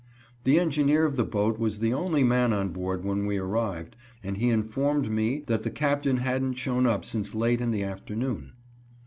The engineer of the boat was the only man on board when we arrived, and he informed me that the Captain hadn't shown up since late in the afternoon.